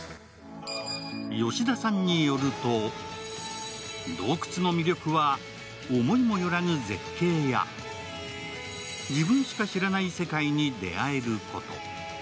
吉田さんによると、洞窟の魅力は、思いもよらぬ絶景は自分しか知らない世界に出会えること。